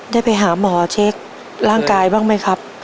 ได้ไปหาหมอเช็คร่างกายบ้างไหมครับ